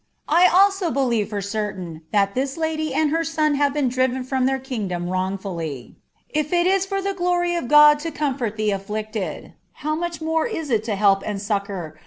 1 also believe for certain, that this lady and her sou Imvp beeo driven from their kingdom wrongfully. If it is for the glory of Oo<l to comfort the sfHicied, how much more is it lo help and succour I ■FraiMUL m^mm ^ \SS IfiABSLt.